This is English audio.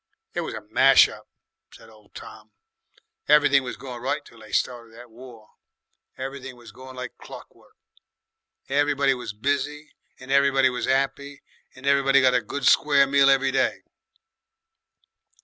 "It was a smash up," said old Tom. "Everything was going right until they started that War. Everything was going like clock work. Everybody was busy and everybody was 'appy and everybody got a good square meal every day."